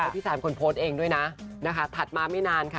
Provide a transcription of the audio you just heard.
พี่ซายเป็นคนโพสต์เองด้วยนะนะคะถัดมาไม่นานค่ะ